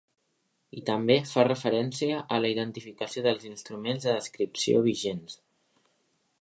I també fa referència a la identificació dels instruments de descripció vigents.